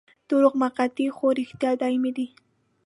دروغ موقتي خو رښتیا دايمي دي.